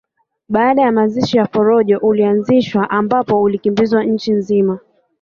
Baada ya mazishi ya Forojo ulianzishwa ambao ulikimbizwa nchi nzima